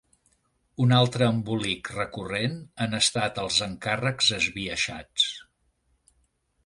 Un altre embolic recurrent han estat els encàrrecs esbiaixats.